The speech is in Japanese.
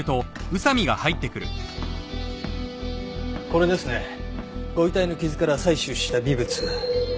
これですねご遺体の傷から採取した微物。